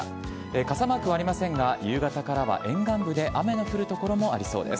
傘マークはありませんが、夕方からは沿岸部で雨の降る所もありそうです。